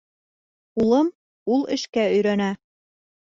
— Улым, ул эшкә өйрәнә.